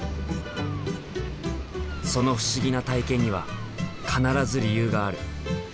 その不思議な体験には必ず理由がある。